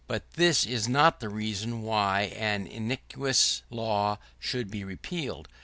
But this is not the reason why an iniquitous law should be repealed.